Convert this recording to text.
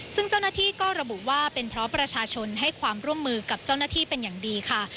ซึ่งเจ้าหน้าที่ก็ระบุว่าเป็นเพราะประชาชนให้ความร่วมมือกับเจ้าหน้าที่เป็นอย่างดีค่ะ